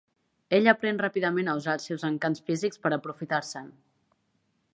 Ella aprèn ràpidament a usar els seus encants físics per aprofitar-se'n.